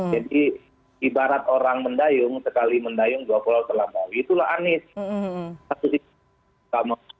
jadi ibarat orang mendayung sekali mendayung dua pulau terlambat itulah anies